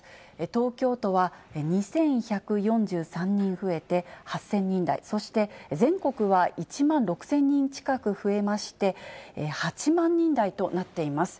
東京都は、２１４３人増えて８０００人台、そして全国は１万６０００人近く増えまして、８万人台となっています。